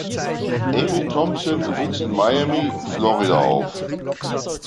Amy Thomson wuchs in Miami, Florida auf.